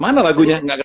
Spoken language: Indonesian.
mana lagunya gak kenal